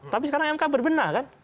tapi sekarang mk berbenah kan